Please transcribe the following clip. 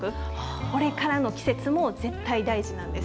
これからの季節も絶対大事なんです。